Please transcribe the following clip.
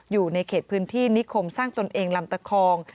อยู่ในเขตพื้นที่นิคมสร้างตนเองลำตะคอง